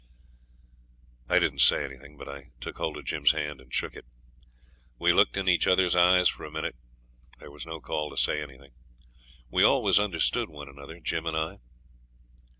I didn't say anything, but I took hold of Jim's hand and shook it. We looked in each other's eyes for a minute; there was no call to say anything. We always understood one another, Jim and I.